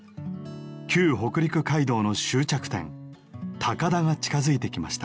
旧北陸街道の終着点高田が近づいてきました。